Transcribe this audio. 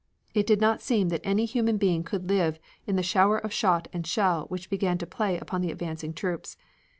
It did not seem that any human being could live in the shower of shot and shell which began to play upon the advancing troops.